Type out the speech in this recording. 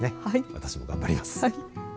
私も頑張ります。